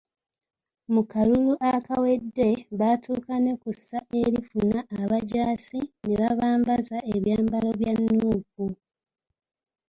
Mu kalulu akawedde baatuuka ne kussa erifuna abajaasi ne babambaza ebyambalo bya Nuupu.